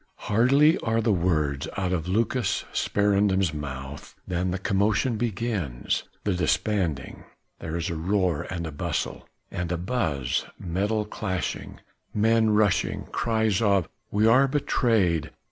Hardly are the words out of Lucas Sparendam's mouth than the commotion begins, the disbanding; there is a roar and a bustle and a buzz: metal clashing, men rushing, cries of "we are betrayed!